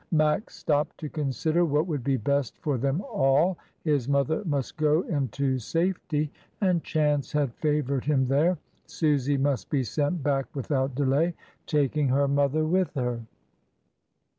Max stopped to consider what would be best for them all. His mother must go into safety, and chance had favoured him there. Susy must be sent back without delay, taking her mother with her.